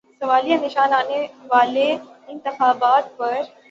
سوالیہ نشان آنے والے انتخابات پر۔